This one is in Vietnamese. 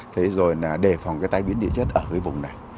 thế rồi là đề phòng cái tai biến địa chất ở cái vùng này